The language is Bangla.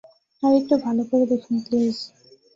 আরেকটু ভালো করে দেখুন, প্লিজ।